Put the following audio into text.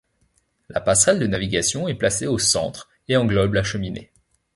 La passerelle de navigation est placée au centre et englobe la cheminée.